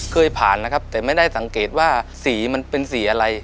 เคยผ่านนะครับแต่ไม่ได้สังเกตว่าสีมันเป็นสีอะไร